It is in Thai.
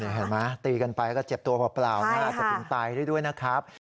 เห็นไหมตีกันไปก็เจ็บตัวเปล่าอาจจะถึงตายได้ด้วยนะครับ